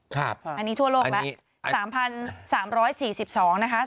ค่ะอันนี้ทั่วโลกละ๓๓๔๒นะคะ